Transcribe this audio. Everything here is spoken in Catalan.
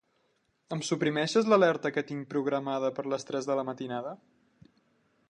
Em suprimeixes l'alerta que tinc programada per les tres de la matinada?